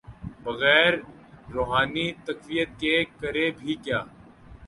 بغیر روحانی تقویت کے، کرے بھی کیا۔